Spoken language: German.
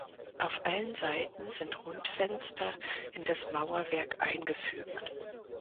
Auf allen Seiten sind Rundfenster in das Mauerwerk eingefügt.